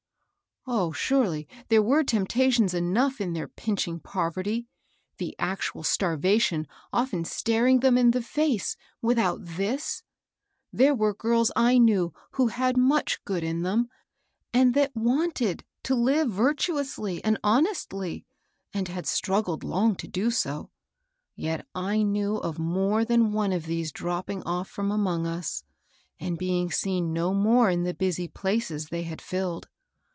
Oh, surely there were temptations enough in their pinching poverty, the actual starvation often staring them in the face, without thisl There were girls I knew who had much good in th^n, and that wanted to live virtuously and honestly, and had strug gled long to do so; yet I knew of more than one of these dropping off from among us, and being seen no more in the bijsy places they had filled.